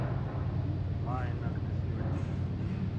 مان ھنک ڏسين وين